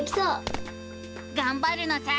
がんばるのさ！